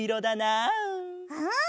うん！